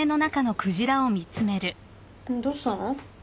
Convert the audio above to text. どうしたの？